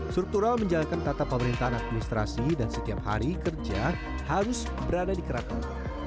struktural menjalankan tata pemerintahan administrasi dan setiap hari kerja harus berada di keraton